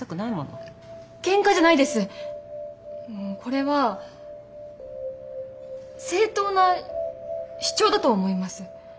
これは正当な主張だと思います。